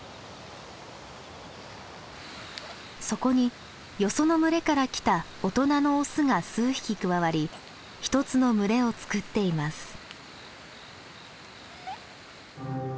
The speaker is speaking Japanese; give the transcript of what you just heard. そこによその群れから来た大人のオスが数匹加わり１つの群れを作っています。